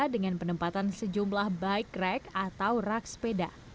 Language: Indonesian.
dengan penempatan sejumlah bike rack atau rak sepeda